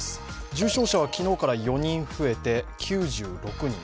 重症者は昨日から４人増えて９６人。